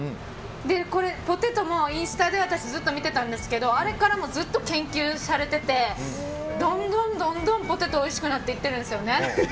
ポテトもインスタで私ずっと見てたんですけどあれからずっと研究されててどんどんポテトがおいしくなっていってるんですよね。